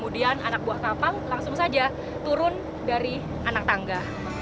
dan anak buah kapal langsung saja turun dari anak tangga